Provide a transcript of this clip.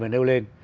và nêu lên